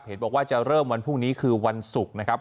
บอกว่าจะเริ่มวันพรุ่งนี้คือวันศุกร์นะครับ